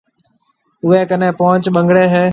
اوَي ڪنَي پونچ ٻنگڙَي هيَ۔